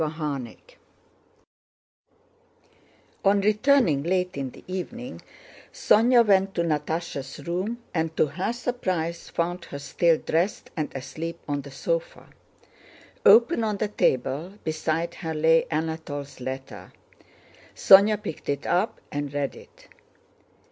CHAPTER XV On returning late in the evening Sónya went to Natásha's room, and to her surprise found her still dressed and asleep on the sofa. Open on the table, beside her lay Anatole's letter. Sónya picked it up and read it.